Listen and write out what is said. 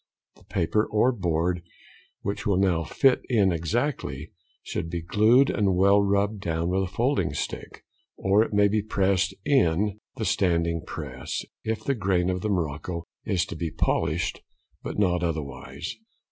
The paper or board, which will now fit in exactly, should be glued and well rubbed down with a folding stick, or it may be pressed in the standing press if the grain of the morocco is to be polished, but not otherwise.